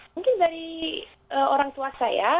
mungkin dari orang tua saya